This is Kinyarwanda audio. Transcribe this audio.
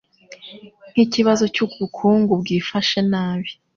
n'ikibazo cy'ubukungu bwifashe nabi.